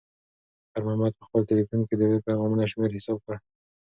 خیر محمد په خپل تلیفون کې د لور د پیغامونو شمېر حساب کړ.